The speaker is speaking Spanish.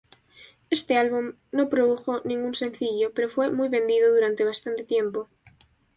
Este álbum no produjo ningún sencillo pero fue muy vendido durante bastante tiempo.